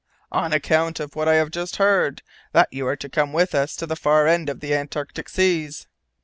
"On account of what I have just heard that you are to come with us to the far end of the Antarctic seas."